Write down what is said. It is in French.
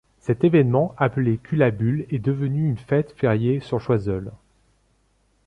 Cet événement, appelé Kulabule est devenu une fête fériée sur Choiseul.